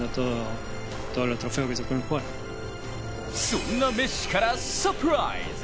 そんなメッシからサプライズ。